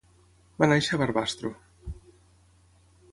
Va néixer a Barbastro.